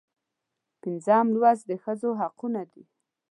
پنځم لوست د ښځو حقونه دي.